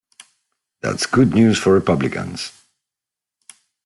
That's good news for Republicans.